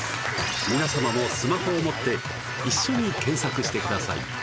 皆様もスマホを持って一緒に検索してください